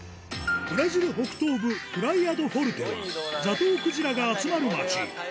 ブラジル北東部プライア・ド・フォルテは、ザトウクジラが集まる街。